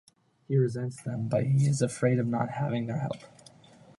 He resents them, but he is afraid of not having their help.